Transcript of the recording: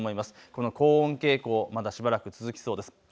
この高温傾向まだしばらく続きそうです。